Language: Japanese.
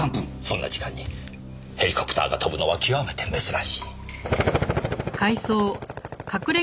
そんな時間にヘリコプターが飛ぶのは極めて珍しい。